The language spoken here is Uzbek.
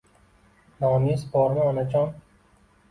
— Noniz bormi, onajon?!